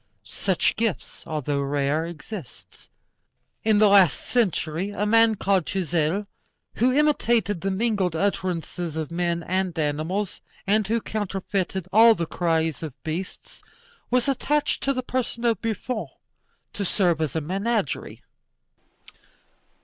Such gifts, although rare, exist. In the last century a man called Touzel, who imitated the mingled utterances of men and animals, and who counterfeited all the cries of beasts, was attached to the person of Buffon to serve as a menagerie.